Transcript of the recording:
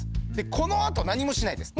この後何もしないです。